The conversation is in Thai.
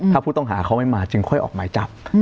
ถ้าผู้ต้องหาเขาไม่มาจึงค่อยออกหมายจับ